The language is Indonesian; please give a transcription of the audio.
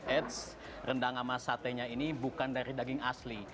eits rendang sama satenya ini bukan dari daging asli